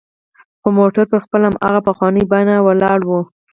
خو موټر پر خپل هماغه پخواني بڼه ولاړ و.